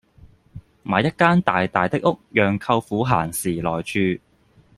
買一間大大的屋讓舅父閒時來住